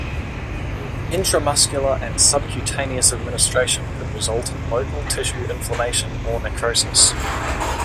Intramuscular and subcutaneous administration could result in local tissue inflammation or necrosis.